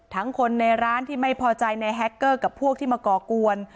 คนในร้านที่ไม่พอใจในแฮคเกอร์กับพวกที่มาก่อกวน